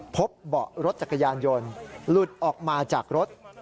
พบเบาะรถจักรยานยนต์หลุดออกมาจากรถ